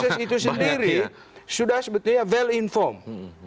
proses itu sendiri sudah sebetulnya valle informed